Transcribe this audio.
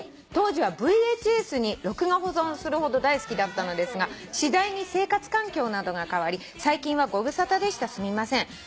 「当時はＶＨＳに録画保存するほど大好きだったのですが次第に生活環境などが変わり最近はご無沙汰でしたすみません」